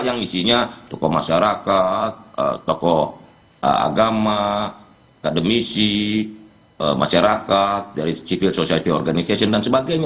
yang isinya tokoh masyarakat tokoh agama kademisi masyarakat dari civil society organisasi mencepatkan